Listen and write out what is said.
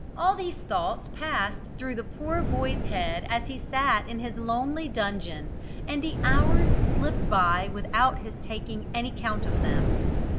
All these thoughts passed through the poor boy's head as he sat in his lonely dungeon, and hours slipped by without his taking any count of them.